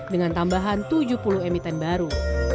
dengan tambahan tujuh puluh emiten baru